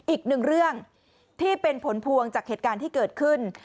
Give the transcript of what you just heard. อีกหนึ่งเรื่องที่เป็นผลพวงจากเหตุการณ์ที่เกิดขึ้น